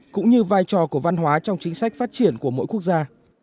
cũng như vai trò của văn hóa trong chính sách phát triển của mỗi quốc gia